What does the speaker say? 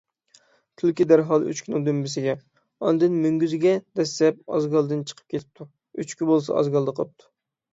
تۈلكە دەرھال ئۆچكىنىڭ دۈمبىسىگە، ئاندىن مۆڭگۈزىگە دەسسەپ ئازگالدىن چىقىپ كېتىپتۇ. ئۆچكە بولسا، ئازگالدا قاپتۇ.